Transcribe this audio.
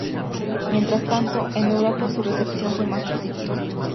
Mientras tanto, en Europa su recepción fue más positiva.